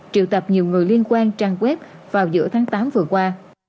triệu tập nhiều người liên quan trang web vào giữa tháng tám vừa qua